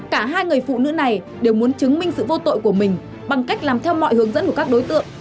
cả hai người phụ nữ này đều muốn chứng minh sự vô tội của mình bằng cách làm theo mọi hướng dẫn của các đối tượng